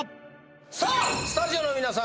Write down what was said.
さあスタジオの皆さん